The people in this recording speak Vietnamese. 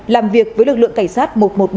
làm việc với lực lượng cảnh sát một trăm một mươi ba